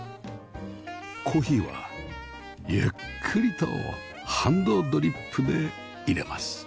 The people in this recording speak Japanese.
コーヒーはゆっくりとハンドドリップでいれます